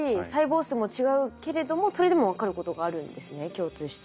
共通して。